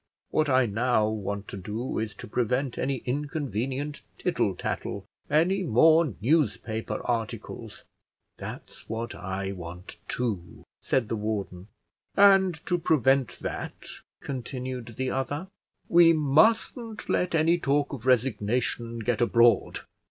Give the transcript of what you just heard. What I now want to do is to prevent any inconvenient tittle tattle, any more newspaper articles." "That's what I want, too," said the warden. "And to prevent that," continued the other, "we mustn't let any talk of resignation get abroad."